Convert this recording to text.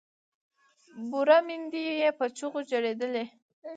بورې میندې یې په چیغو ژړېدلې